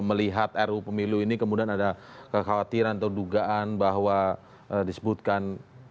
melihat ru pemilu ini kemudian ada kekhawatiran atau dugaan bahwa disebutkan